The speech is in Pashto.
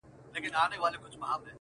هر کور يو غم لري تل,